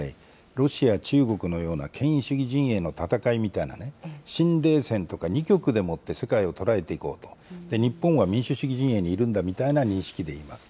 ロシア、中国のような、権威主義陣営の戦いみたいなね、新冷戦とか２極でもって世界を捉えていこうと、日本は民主主義陣営にいるんだみたいな認識でいます。